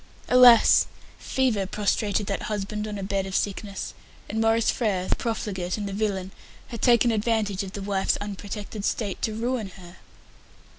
Alas! fever prostrated that husband on a bed of sickness, and Maurice Frere, the profligate and the villain, had taken advantage of the wife's unprotected state to ruin her!